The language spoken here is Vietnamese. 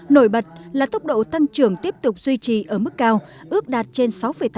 nổi bật là tốc độ tăng trưởng tiếp tục duy trì ở mức cao ước đạt trên sáu tám